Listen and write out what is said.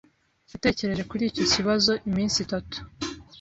Yatekereje kuri icyo kibazo iminsi itatu.